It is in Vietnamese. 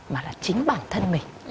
mà là chính bản thân mình